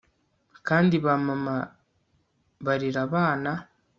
Kandi ba mama barira abana